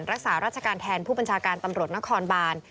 รักษาราชการแทนผู้บัญชาการตำรวจนครบาน